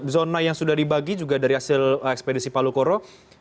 zona yang sudah dibagi juga dari hasil ekspedisi palu koro